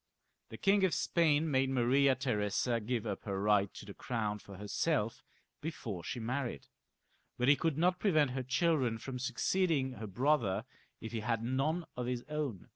The King of Spain made Maria Theresa give up her right to the crown for herself before she married, but he could not prevent her children from succeeding her brother if he had none of his own.